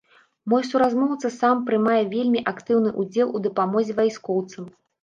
Мой суразмоўца сам прымае вельмі актыўны ўдзел у дапамозе вайскоўцам.